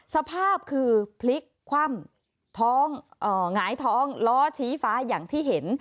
สภาพคือพลิกคว่ำหงายท้องล้อชี้ฟ้าอย่างที่เห็น